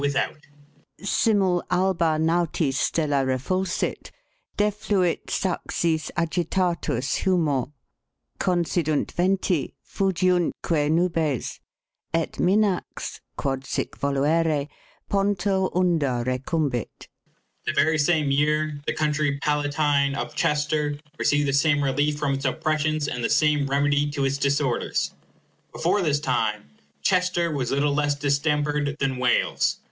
" The very same year the County Palatine of Chester received the same relief from its oppressions and the same remedy to its disorders. Before this time Chester was little less distempered than Wales.